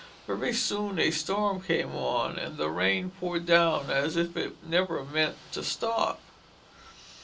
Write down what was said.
Very soon a storm came on, and the rain poured down as if it never meant to stop.